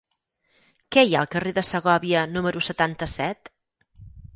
Què hi ha al carrer de Segòvia número setanta-set?